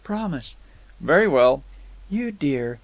Promise!" "Very well." "You dear!